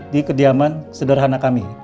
di kediaman sederhana kami